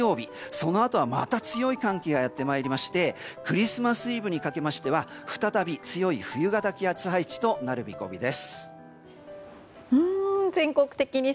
そのあとはまた強い寒気がやってまいりましてクリスマスイブにかけては再び強い冬型の気圧配置となる見込みです。